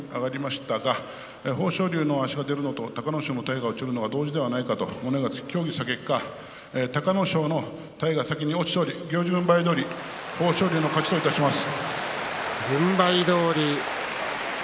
行司軍配は豊昇龍に上がりましたが豊昇龍の足が出るのと隆の勝の体が落ちるのが同時ではないかと物言いがつき隆の勝の方が先に落ちており軍配どおり豊昇龍の勝ちとします。